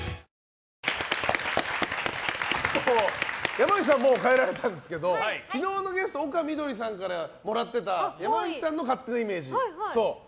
山内さんはもう帰られたんですけど昨日のゲスト丘みどりさんからもらってた山内さんの勝手なイメージ。